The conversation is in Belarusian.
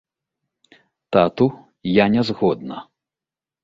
Тату, я не згодна.